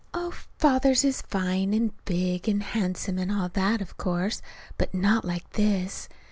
Oh, Father's is fine and big and handsome, and all that, of course; but not like this.